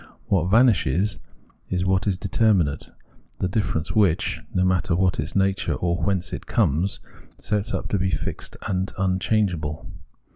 What vanishes is what is determinate, the difference which, no matter what its nature or whence it comes, sets up to be fixed and unchangeable.